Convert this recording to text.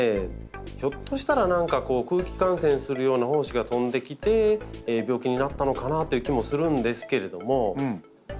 ひょっとしたら何かこう空気感染するような胞子が飛んできて病気になったのかなという気もするんですけれども。